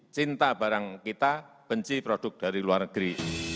cinta barang kita benci produk dari luar negeri